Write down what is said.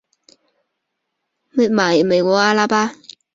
丹利斯克罗斯罗兹是一个位于美国阿拉巴马州科菲县的非建制地区。